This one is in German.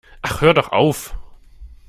Ach, hör doch auf!